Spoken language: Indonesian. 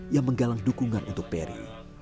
yang menggalang dukungan untuk peri